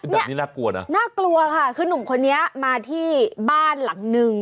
แบบนี้น่ากลัวนะน่ากลัวค่ะคือนุ่มคนนี้มาที่บ้านหลังนึง